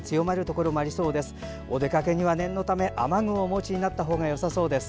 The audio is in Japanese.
これからのお出かけにも念のため雨具をお持ちになったほうがよさそうです。